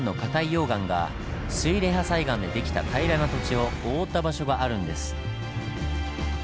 溶岩が水冷破砕岩で出来た平らな土地を覆った場所があるんです。